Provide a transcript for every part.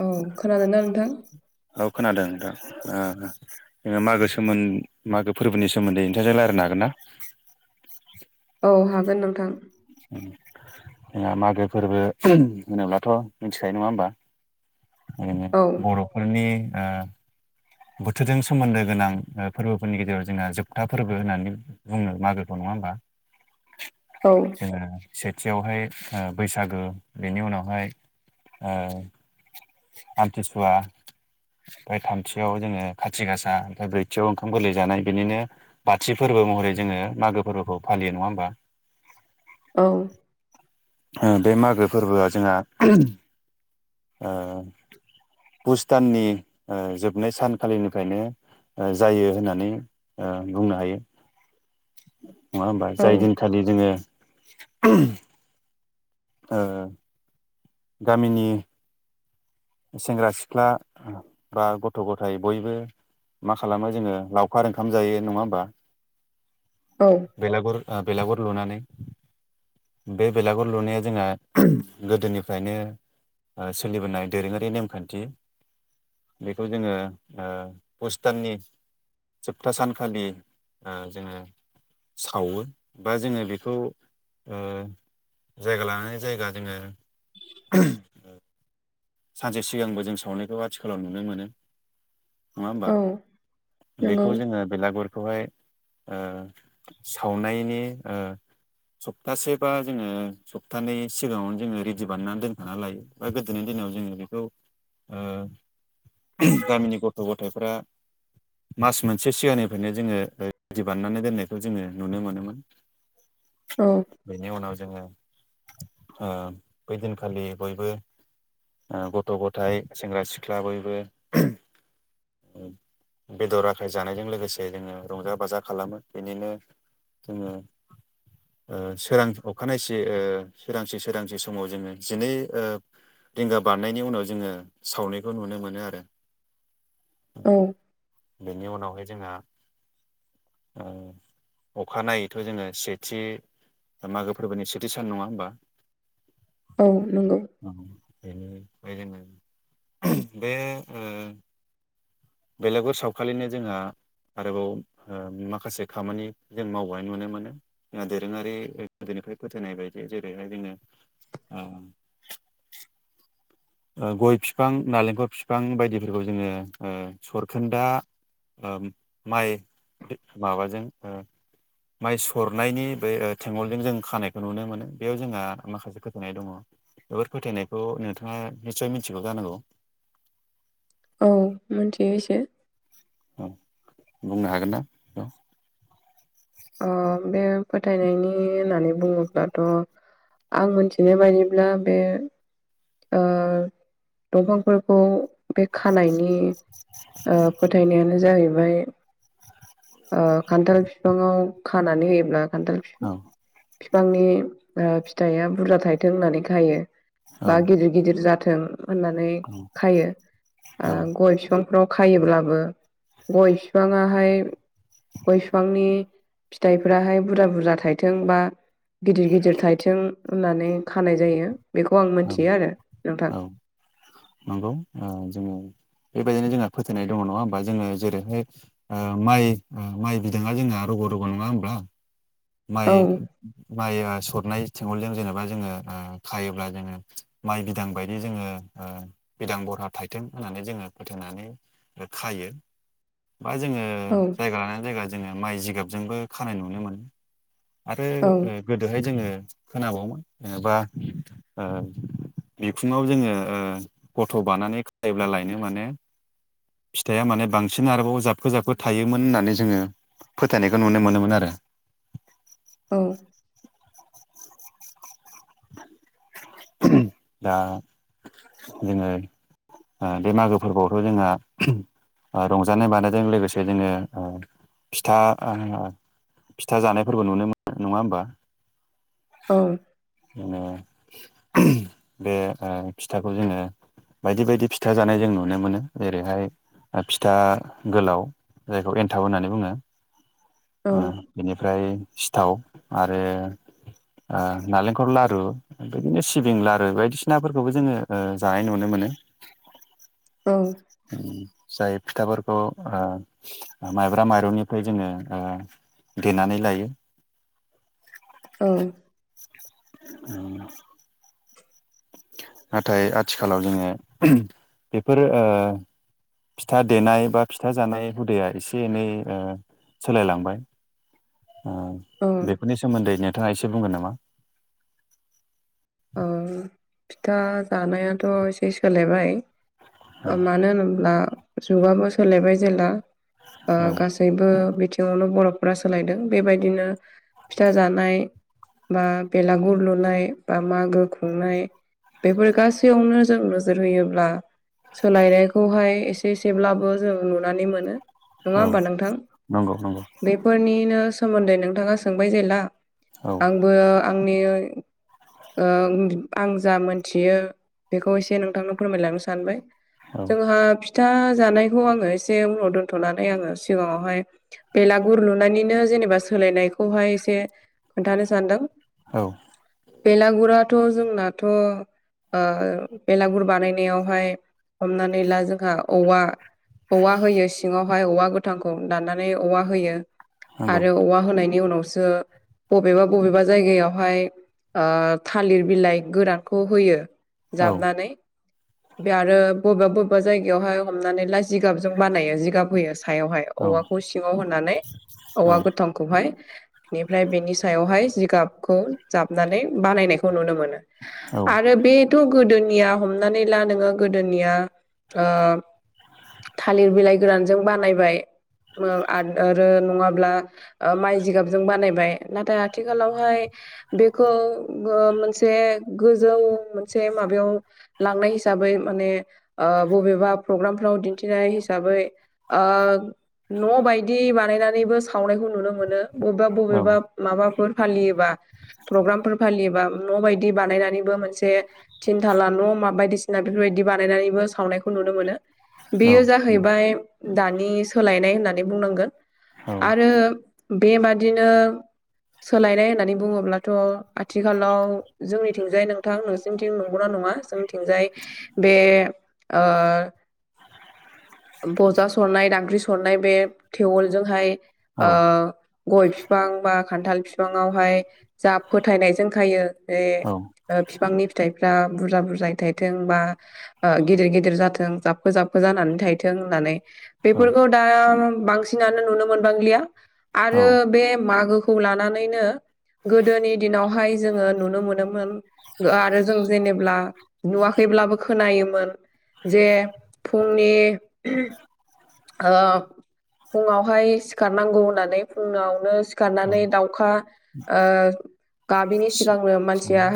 औ खोनादों ना नोंथां? औ खोनादों ओ जोङो मागो सोम मागो फोरबोनि सोमोन्दै नोंथांजों रायलायनो हागोन ना? औ हागोन नोंथां। जोंहा मागो फोरबो होनोब्लाथ' मिथिखायो नङा होमबा? औ [unintelligible] बर'फोरनि ओ बोथोरजों सोमोन्दो गोनां फोरबोफोरनि गेजेराव जोंहा जोबथा फोरबो होननानै बुङो मागोखौ नङा होमबा? औ जोङो सेथियावहाय बैसागो बेनि उनावहाय ओ आमथिसुवा ओमफ्राय थाम थियाव जोङो खाथि गासा ओमफ्राय ब्रैथियाव ओंखाम गोरलै जानाय बेनिनो बाथि फोरबो महरै जोङो मागो फोरबोखौ फालियो नङा होमबा? औ बे मागो फोरबोआ जोंहा ओ फुस दाननि जोबनाय सानखालिनिफ्रायनो जायो होननानै बुंनो हायो। नङा होमबा? जाय औ दिनखालि जोङो ओ गामिनि सेंग्रा सिख्ला बा गथ' गथाय बयबो मा खालामो जोङो लावखार ओंखाम जायो नङा होमबा? औ। बेलागुर बेलागुर लुनानै। बे बेलागुर लुनाया जोंहा गोदोनिफ्रायनो सोलिबोनाय दोरोङारि नेमखान्थि। बेखौ जोङो पुस दाननि जोबथा सानखालि जोङो सावो बा जोङो बेखौ जायगा लानानै जायगा जोङो सानसे सिगांबो जों सावनायखौ आथिखालाव नुनो मोनो। नङा होमबा? औ नंगौ बेखौ जोङो बेलागुरखौहाय सावनायनि ओ सप्तासे बा जोङो सप्तानै सिगाङावनो जोङो रेडि बानायनानै दोनखाना लायो बा गोदोनि दिनाव जोङो बेखौ गामिनि गथ' गथायफ्रा मास मोनसे सिगांनिफ्रायनो जोङो रेदि बानायनानै दोननायखौ जोङो नुनो मोनोमोन। औ। बेनि उनाव जोङो बैदिनखालि बयबो गथ' गथाय सेंग्रा सिख्ला बयबो [inaudible] बेदर आखाय जानायजों लोगोसे जोङो रंजा बाजा खालामो। बिनिनो जोङो सोरां अखानायसि सोरांसि सोरांसि समाव जोङो जिनै ओ रिंगा बारनायनि उनाव जोङो सावनायखौ नुनो मोनो आरो। औ। बेनि उनावहाय जोंहा अखानायैथ' जोङो सेथि मागो फोरबोनि सेथि सान नङा होमबा? औ नंगौ। ओं बेनो बेबादिनो बे ओ बेलेगर सावखालिनो जोंहा आरोबाव माखासे खामानि जों मावबावनाय नुनो मोनो। दोरोङारि गोदोफ्राय फोथायनाय बायदि जेरैहाय जोङो [inaudible] गय फिफां नालेंखर फिफां बायदिफोरखौ जोङो सरखोन्दा माइ माबाजों माइ सरनायनि बे थेंगलजों जों खानायखौ नुनो मोनो। बेयाव जोंहा माखासे फोथायनाय दङ। बेफोर फोथायनायखौ नोंथाङा निस्सय मिथिगौ जानांगौ। औ मोनथियो एसे। अह। बुंनो हागोन ना? औ बे फोथायनायनि होननानै बुङोब्लाथ' आं मोनथिनाय बायदिब्ला बे दंफांफोरखौ बे खानायनि फोथायनायानो जाहैबाय ओ खान्थाल बिफाङाव खानानै होयोब्ला खान्थाल औ। बिफांनि फिथाइआ बुरजा थायथों होननानै खायो बा गिदिर गिदिर जाथों होननानै औ खायो। औ गय फिफां फ्राव खायोब्लाबो गय बिफाङाहाय गय बिफांनि फिथाइफोराहाय बुरजा बुरजा थाइथों बा गिदिर गिदिर थाइथों होननानै खानाय जायो बेखौ आं औ मोनथियो आरो नोंथां। औ नंगौ ओ जोङो बेबायदिनो जोंहा फोथायनाय दङ नङा होमबा? जोङो जेरैहाय ओ माइ माइ बिदाङा जोंना रग' रग' नङा होनब्ला? औ माइ माइया सरनाय थेवलजों जेनेबा जोङो ओ खायोब्ला जोङो माइ बिदां बायदि जोङो ओ बिदां बरहा थायथों होननानै जोङो फोथायनानै खायो बा जोङो औ जायगा लानानै जायगा जोङो माइ जिगाबजोंबो खानाय नुनो मोनो। आरो औ ओ गोदोहाय जोङो खोनाबावोमोन ओ जेनेबा ओ बिखुङाव जोङो ओ गथ' बानानै खायोब्ला लायनो माने फिथाइया माने बांसिन आरोबाव जाबखो जाबखो थायोमोन होननानै जोङो फोथायनायखौ नुनो मोनोमोन आरो। औ। [inaudible] [unintelligible] दा जोङो आ बे मागो फोरबोआवथ' जोंहा आ रंजानाय बानायजों लोगोसे जोङो ओ फिथा आ फिथा जानायफोरबो नुनो मोनो नङा होमबा? औ। ओ [unintelligible] बे ओ फिथाखौ जोङो बायदि बायदि फिथा जानाय जों नुनो मोनो। जेरैहाय ओ फिथा गोलाव जायखौ एन्थाब होननानै बुङो। औ आ बेनिफ्राय सिथाव आरो आ नालेंखर लारु बिदिनो सिबिं लारु बायदिसिनाफोरखौबो जोङो ओ जानाय नुनो मोनो। औ। जाय फिथाफोरखौ आ ओ माइब्रा माइरंनिफ्राय जोङो ओ देनानै लायो। औ। [inaudible] नाथाय आथिखालाव जोङो [unintelligible] बेफोर ओ फिथा देनाय बा फिथा जानाय हुदाया एसे एनै ओ सोलायलांबाय आ औ बेफोरनि सोमोन्दै नोंथाङा एसे बुंगोन नामा? ओ फिथा जानायाथ' एसे सोलायबाय। औ ओ मानो होनोब्ला जुगाबो सोलायबाय जेला ओ औ गासैबो सैबो बिथिङावनो बर'फोरा सोलायदों। बेबायदिनो फिथा जानाय बा बेलागुर लुनाय बा मागो खुंनाय बेफोर गासैयावनो जों नोजोर होयोब्ला सोलायनायखौहाय एसे एसेब्लाबो जों नुनानै मोनो। नङा औ होमबा नोंथां? नंगौ नंगौ बे फोरनिनो सोमोन्दै नोंथाङा सोंबाय जेला, औ आंबो आंनि ओ आं जा मोनथियो बेखौ एसे नोंथांनो फोरमायलांनो सानबाय। औ जोंहा फिथा जानायखौ आङो एसे उनाव दोन्थ'नानै आङो सिगाङावहाय बेलागुर लुनायनिनो जेनेबा सोलायनायखौहाय एसे खोन्थानो सानदों। औ। बेलागुराथ' जोंनाथ' ओ बेलागुर बानायनायावहाय हमनानै ला जोंहा औवा औवा होयो सिङावहाय औवा गोथांखौ दाननानै औवा होयो। नंगौ आरो औवा होनायनि उनावसो बबेबा बबेबा जायगायावहाय ओ थालिर बिलाइ गोरानखौ होयो औ जाबनानै। बे आरो बबेबा बबेबा जायगायावहाय हमनानै ला जिगाबजों बानायो जिगाब होयो सायावहाय औ औवाखौ सिङाव होनानै औ औवा गोथां खौहाय बेनिफ्राय बेनि सायावहाय जिगाबखौ जाबनानै बानायनायखौ नुनो मोनो। औ औ आरो बेथ' गोदोनिया हमनानै ला नोङो गोदोनिया ओ थालिर बिलाइ गोरानजों बानायबाय आ-आरो नङाब्ला ओ माइ जिगाबजों बानायबाय नाथाय आथिखालावहाय बेखौ ओ मोनसे गोजौ मोनसे माबायाव लांनाय हिसाबै माने ओ बबेबा प्रग्रामफ्राव दिन्थिनाय हिसाबै ओ न' बायदि बानायनानैबो सावनायखौ नुनो मोनो। बबेबा औ बबेबा माबाफोर फालियोबा प्रग्रामफोर फालियोबा न' बायदि बानायनानैबो मोनसे थिनथाला न' मा बायदिसिना बेफोरबायदि बानायनानैबो सावनायखौ नुनो मोनो। औ बेयो जाहैबाय दानि सोलायनाय होननानै बुंनांगोन। आरो बेबादिनो सोलायनाय होननानै बुङोब्ला थ' आथिखालाव जोंनिथिंजाय नोंथां नोंसोरनिथिं नंगौना नङा जों थिंजाय बे ओ बजा सरनाय दांग्रि सरनाय बे थेवलजोंहाय औ गय बिफां बा खान्थाल बिफाङावहाय जा फोथायनाय जों खायो बे बिफांनि फिथाइफ्रा बुरजा बुरजायै थायथों बा ओ गिदिर गिदिर जाथों जाबफो जाबफो जानानै थायथों होननानै बेफोरखौ दा बांसिनानो नुनो मोनबांलिया औ आरो बे मागोखौ खौ लानानैनो गोदोनि दिनावहाय जोङो नुनो मोनोमोन आरो जों जेनेब्ला नुवाखैब्लाबो खोनायोमोन जे फुंनि ओ फुङावहाय सिखारनांगौ होननानै फुङावनो सिखा रनानै दाउखा ओ गाबिनि सिगांनो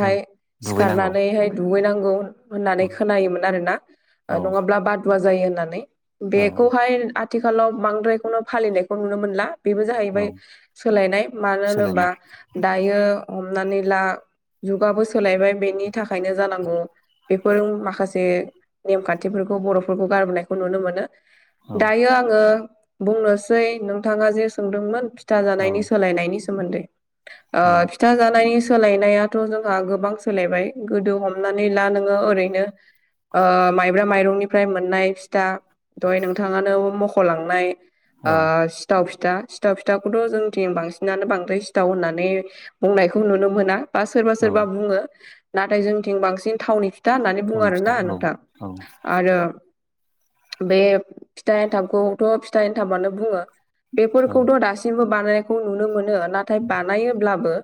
जों दुगैनांगौ सिखारनानैहाय दुगैनांगौ। होननानै औ खोनायोमोन आरोना ओ औ नङाब्ला बादुवा जायो होननानै औ बेखौ हाय आथिखालाव बांद्रायखौनो फालिनायखौ नुनो मोनला। बेबो जाहैबाय औ सोलायनाय मानो होनोबा सोलायनाय दायो हमनानै ला जुगाबो सोलायबाय बेनि थाखायनो जानांगौ बेफोर माखासे नेमखान्थिफोरखौ बर'फोरखौ गारबोनायखौ नुनो मोनो। औ दायो आङो बुंनोसै नोंथाङा जे सोंदोंमोन औ फिथाजानायनि सोलायनायनि सोमोन्दै ओ औ फिथा फिथा जानायनि सोलायनायाथ' जोंहा गोबां सोलायबाय गोदो हमनानै ला नोङो ओरैनो ओ माइब्रा माइरंनिफ्राय मोननाय फिथा दहाय नोंथाङानो मख'लांनाय ओ औ सिथाव फिथा सिथाव फिथाखौथ' जोंनिथिं बांसिनानो बांद्राय सिथाव होननानै बुंनायखौ नुनो मोना बा सोरबा औ सोरबा बुङो। नाथाय जोंथिं बांसिन थावनि फिथा होननानै बुङो थावनि फिथा आरोना औ नोंथां औ आरो बे फिथा एन्थाबखौथ' फिथा एन्थाबानो बुङो। औ बेफोरखौथ' दासिमबो बानायनायखौ नुनो मोनो नाथाय बानायोब्लाबो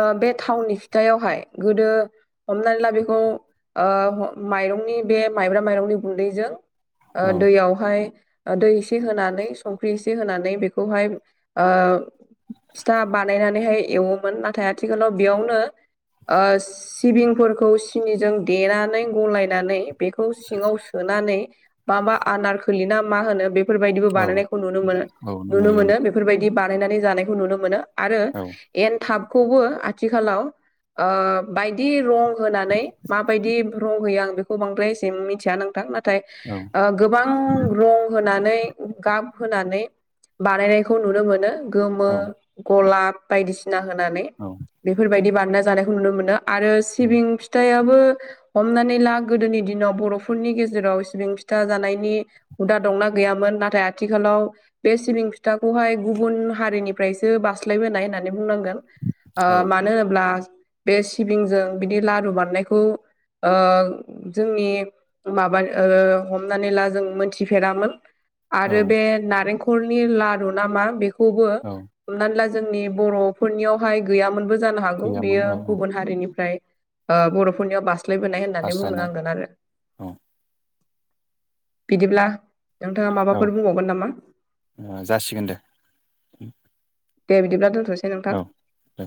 ओ बे थावनि फिथायावहाय गोदो हमनानै ला बेखौ ओ माइरंनि बे माइब्रा माइरंनि गुन्दैजों ओ औ दैयावहाय ओ दै इसे होनानै संख्रि एसे होनानै बेखौहाय ओ था बानायनानैहाय एवोमोन नाथाय आथिखालाव बेयावनो ओ सिबिंफोरखौ सिनिजों देनानै गलायनानै बेखौ सिङाव सोनानै माबा आनार खोलिना मा होनो बे बेफोरबायदिबो औ बानायनायखौ नुनो मोनो औ नुनो नुयो मोनो नुयो बेफोरबायदि बानायनानै जानायखौ नुनो मोनो। आरो औ एनथाबखौबो आथिखालाव ओ बायदि रं होनानै माबायदि रं होयो आं बेखौ बांद्राय एसे मिथिया नोंथां नाथाय ओं। गोबां रं होनानै गाब होनानै बानायनायखौ नुनो मोनो। गोमो औ गलाब बायदिसिना होनानै। औ। बेफोरबायदि बानायना जानायखौ नुनो मोनो आरो सिबिं फिथायाबो। हमनानै ला गोदोनि दिनाव बर'फोरनि गेजेराव सिबिं फिथा जानायनि हुदा दंना गैयामोन नाथाय आथिखालाव बे सिबिं फिथाखौहाय गुबुन हारिनिफ्राय सो बास्लायबोनाय होननानै बुंनांगोन ओ औ मानो होनोब्ला बे सिबिंजों बिदि लारु बानायनायखौ ओ जोंनि माबा ओ हमनानै ला जों मोनथिफेरामोन। औ आरो बे नारेंखलनि लारु नामा बेखौबो औ हमनानै ला जोंनि बर'फोरनियाव हाय गैयामोनबो जानो हागौ गैयामोन बियो औ औ गुबुन हारिनिफ्राय ओ बर'फोरनियाव बास्लायबोनाय होन होननानै बुंनो बास्लायनाय नांगोन आरो औ बिदिब्ला नोंथाङा औ माबाफोर बुंबावगोन नामा? जासिगोन दे। दे बिदिब्ला दोनथ'नोसै नोंथां। औ दे